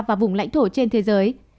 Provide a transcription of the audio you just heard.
và vùng lãnh thổ trên thế giới